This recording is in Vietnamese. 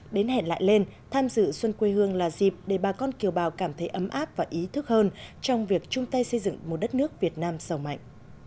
đến hẹn lại lên tham dự xuân quê hương là dịp để bà con kiều bào cảm thấy ấm áp và ý thức hơn trong việc chung tay xây dựng một đất nước việt nam sầu mạnh